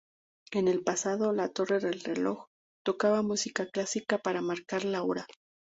En el pasado, la torre del reloj tocaba música clásica para marcar la hora.